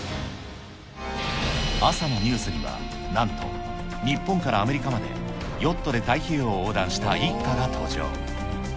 朝のニュースには、なんと日本からアメリカまでヨットで太平洋を横断した一家が登場。